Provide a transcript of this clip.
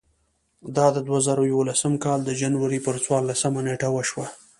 دا د دوه زره یولسم کال د جنورۍ پر څوارلسمه نېټه وشوه.